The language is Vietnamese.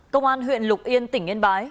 công an huyện lục yên tỉnh yên bái